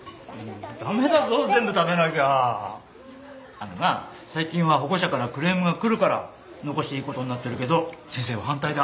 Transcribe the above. あのな最近は保護者からクレームが来るから残していいことになってるけど先生は反対だ。